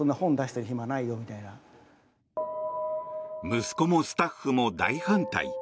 息子もスタッフも大反対。